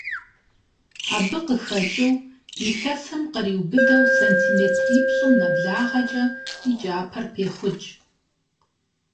Абы къыхэкIыу, илъэсым къриубыдэу сантиметрипщIым нэблагъэкIэ и кIапэр пехъукI.